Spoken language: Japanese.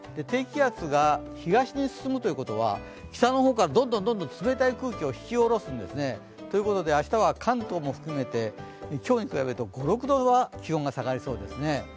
低気圧が東に進むということは北の方からどんどん冷たい空気を引き下ろすんですねということで明日は関東も含めて今日に比べると５６度は気温が下がりそうですね。